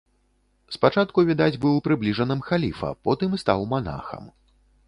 Спачатку, відаць, быў прыбліжаным халіфа, потым стаў манахам.